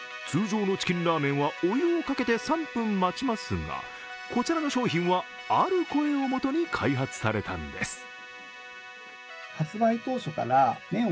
通常のチキンラーメンはお湯をかけて３分待ちますが、こちらの商品は、ある声を基に開発されたんです。